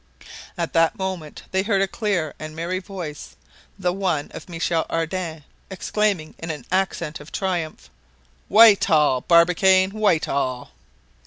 At that moment they heard a clear and merry voice, the voice of Michel Ardan, exclaiming in an accent of triumph: "White all, Barbicane, white all!"